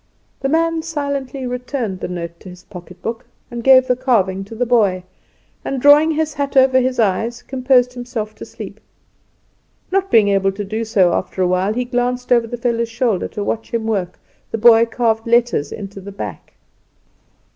The man silently returned the note to his pocket book, and gave the carving to the boy; and, drawing his hat over his eyes, composed himself to sleep. Not being able to do so, after a while he glanced over the fellow's shoulder to watch him work. The boy carved letters into the back.